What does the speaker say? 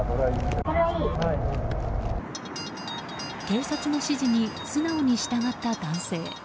警察の指示に素直に従った男性。